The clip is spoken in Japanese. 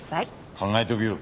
考えとくよ。